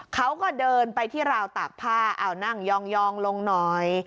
เขาก็เดินไปที่ราวตากผ้าเอานั่งยองลงหน่อย